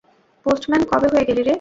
Postman কবে হয়ে গেলি রে?